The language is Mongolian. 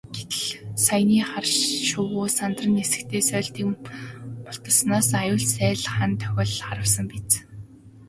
Гэтэл саяын хар шувуу сандран нисэхдээ сойлтыг мулталснаас аюулт сааль хана доргитол харвасан биз.